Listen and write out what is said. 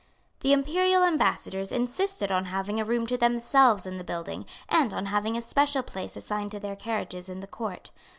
The Imperial Ambassadors insisted on having a room to themselves in the building, and on having a special place assigned to their carriages in the court.